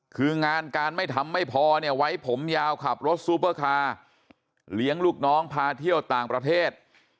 คืองานการไม่ทำไม่พอเนี่ยไว้ผมยาวขับรถซูเปอร์คาร์เลี้ยงลูกน้องพาเที่ยวต่างประเทศ